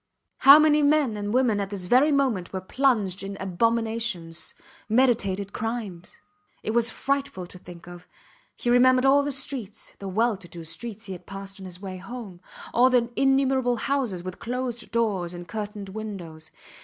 How many men and women at this very moment were plunged in abominations meditated crimes. It was frightful to think of. He remembered all the streets the well to do streets he had passed on his way home; all the innumerable houses with closed doors and curtained windows.